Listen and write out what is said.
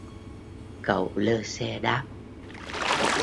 Cậu lơ xe đáp